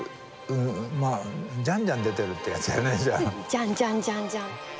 じゃんじゃんじゃんじゃん。